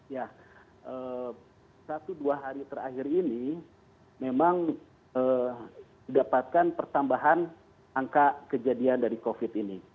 ya satu dua hari terakhir ini memang didapatkan pertambahan angka kejadian dari covid ini